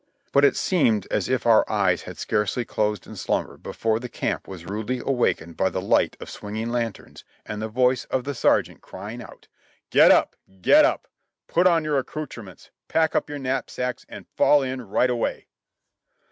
But it seemed as if our eyes had scarcely closed in slumber before the camp was rudely awakened by the light of swinging lanterns and the voice of the sergeant crying out : "Get up ! Get up ! Put on your accoutrements, pack up your knapsacks and fall in right away!"